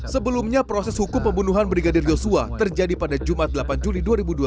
sebelumnya proses hukum pembunuhan brigadir joshua terjadi pada jumat delapan juli dua ribu dua puluh